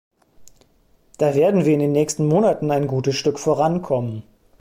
Da werden wir in den nächsten Monaten ein gutes Stück vorankommen.